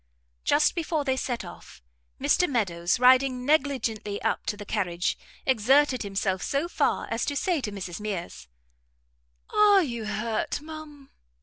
Just before they set off, Mr Meadows, riding negligently up to the carriage, exerted himself so far as to say to Mrs Mears, "Are you hurt, ma'am?"